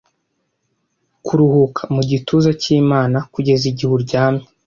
Kuruhuka, mu gituza cy'Imana, kugeza igihe uryamye